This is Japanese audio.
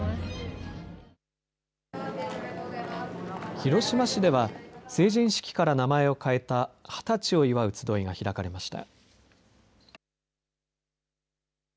広島市では成人式から名前を変えた二十歳を祝うつどいが開かれました。